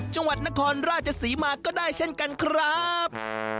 จังหวัดนครราชศรีมาก็ได้เช่นกันครับ